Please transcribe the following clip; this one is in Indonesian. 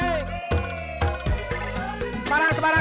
semarang semarang semarang